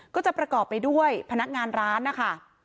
ก็จะประกอบไปด้วยพนักงานร้านนะคะ